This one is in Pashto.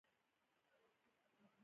دا په زر نه سوه اوولس میلادي کال کې وشول.